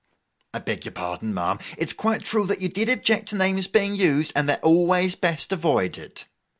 'I beg your pardon, ma'am. It's quite true that you did object to names being used, and they're always best avoided.